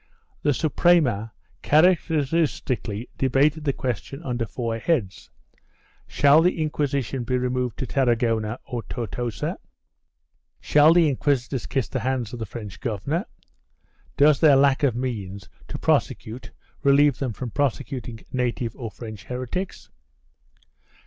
The Suprema characteristically debated the question under four heads — Shall the Inquisition be removed to Tarragona or Tortosa ? Shall the inquisitors kiss the hands of the French governor? Does their lack of means to prosecute relieve them from prosecuting native or French heretics